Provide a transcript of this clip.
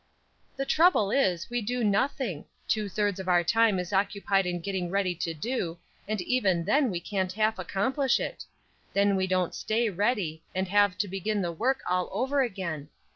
"The trouble is, we do nothing. Two thirds of our time is occupied in getting ready to do; and even then we can't half accomplish it. Then we don't stay ready, and have to begin the work all over again.